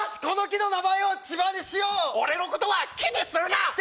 この木の名前を千葉にしよう俺のことは木にするな！